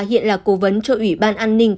hiện là cố vấn cho ủy ban an ninh